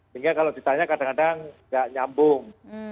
sehingga kalau ditanya kadang kadang tidak nyambung